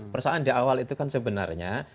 persoalan di awal itu kan sebenarnya